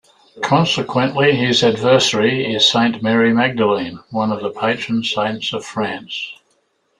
Consequently, his adversary is Saint Mary Magdalene, one of the patron saints of France.